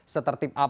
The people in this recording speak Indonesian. setertip apa kemudian